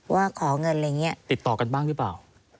ว่าขอเงินอะไรอย่างนี้ติดต่อกันบ้างหรือเปล่า